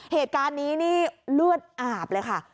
เหตุการณ์นี้นี่เลือดอาบเลยค่ะ